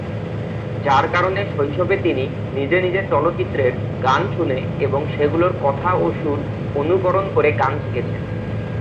যার কারণে শৈশবে তিনি নিজে নিজে চলচ্চিত্রের গান শুনে এবং সেগুলির কথা ও সুর অনুকরণ করে গান শিখেছেন।